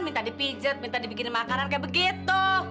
minta dipijet minta dibikinin makanan kayak begitu